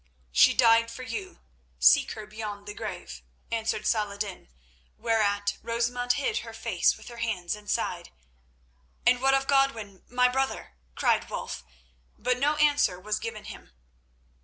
"She died for you; seek her beyond the grave," answered Saladin, whereat Rosamund hid her face with her hands and sighed. "And what of Godwin, my brother?" cried Wulf; but no answer was given him.